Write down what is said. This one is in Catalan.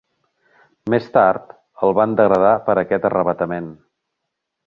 Més tard, el van degradar per aquest arravatament.